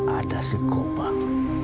ada si gopal